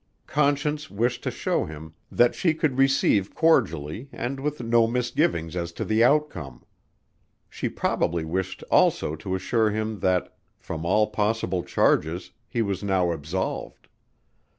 Conscience wished to show him that she could receive cordially and with no misgivings as to the outcome. She probably wished also to assure him that from all possible charges, he was now absolved.